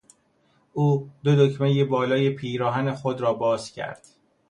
او دو دکمهی بالای پیراهن خود را باز کرد.